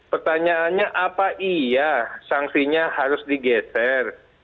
pertanyaannya apa iya sanksinya harus digeser